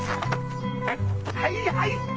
はいはい！